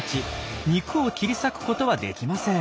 肉を切り裂くことはできません。